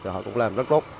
họ cũng làm rất tốt